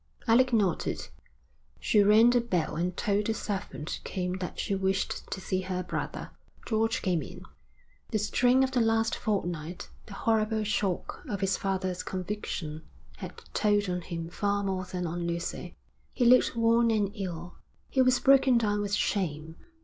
Alec nodded. She rang the bell and told the servant who came that she wished to see her brother. George came in. The strain of the last fortnight, the horrible shock of his father's conviction, had told on him far more than on Lucy. He looked worn and ill. He was broken down with shame.